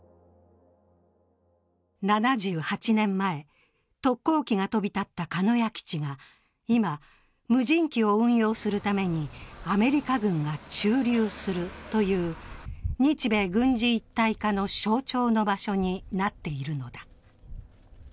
７８年前、特攻機が飛び立った鹿屋基地が今、無人機を運用するためにアメリカ軍が駐留するという日米軍事一体化の象徴の場所になっているのだ。